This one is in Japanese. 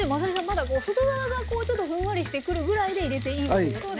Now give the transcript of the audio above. まだ外側がちょっとふんわりしてくるぐらいで入れていいんですね。